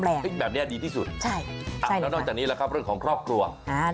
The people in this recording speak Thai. เรื่องของโชคลาบนะคะ